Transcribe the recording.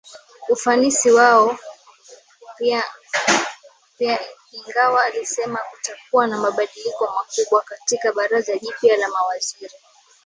ufanisi wao piaIngawa alisema kutakuwa na mabadiliko makubwa katika baraza jipya la mawaziri